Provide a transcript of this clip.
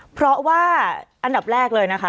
เพราะว่าอันดับแรกเลยนะคะ